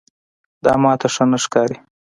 دا ماته ښه نه ښکاري.